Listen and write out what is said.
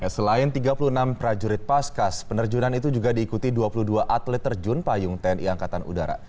selain tiga puluh enam prajurit paskas penerjunan itu juga diikuti dua puluh dua atlet terjun payung tni angkatan udara